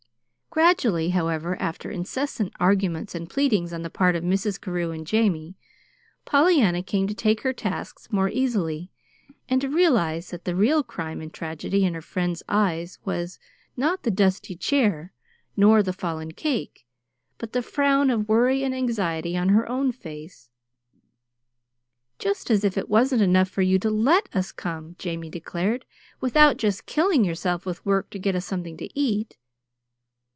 Gradually, however, after incessant arguments and pleadings on the part of Mrs. Carew and Jamie, Pollyanna came to take her tasks more easily, and to realize that the real crime and tragedy in her friends' eyes was, not the dusty chair nor the fallen cake, but the frown of worry and anxiety on her own face. "Just as if it wasn't enough for you to LET us come," Jamie declared, "without just killing yourself with work to get us something to eat."